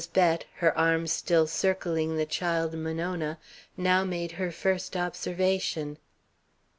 Bett, her arm still circling the child Monona, now made her first observation.